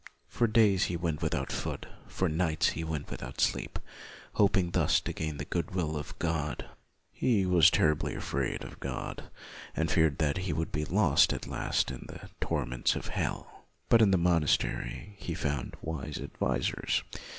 For days he went without food, for nights he went without sleep, hoping thus to gain the good will of God. He was terribly afraid of God, and feared that he would be lost at last in the torments of hell. But in the mon astery he found wise advisers.